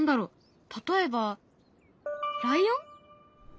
例えばライオン？